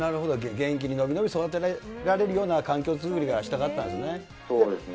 元気に伸び伸びと育てられるような環境作りがしたかったんですね。